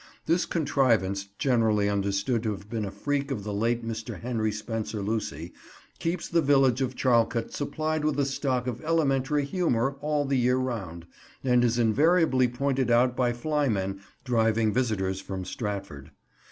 This contrivance, generally understood to have been a freak of the late Mr. Henry Spenser Lucy, keeps the village of Charlecote supplied with a stock of elementary humour all the year round, and is invariably pointed out by fly men driving visitors from Stratford.